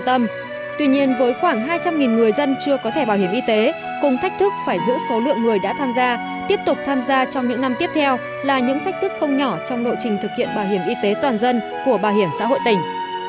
tuy nhiên với khoảng hai trăm linh người dân chưa có thẻ bảo hiểm y tế cùng thách thức phải giữ số lượng người đã tham gia tiếp tục tham gia trong những năm tiếp theo là những thách thức không nhỏ trong lộ trình thực hiện bảo hiểm y tế toàn dân của bảo hiểm xã hội tỉnh